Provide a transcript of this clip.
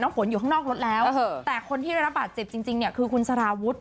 ฝนอยู่ข้างนอกรถแล้วแต่คนที่ได้รับบาดเจ็บจริงเนี่ยคือคุณสารวุฒิ